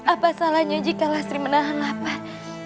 apa salahnya jika lasri menahan lapar